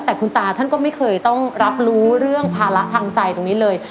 แต่คุณตาท่านก็ไม่เคยต้องรับรู้เรื่องภาระทางใจตรงนี้เลย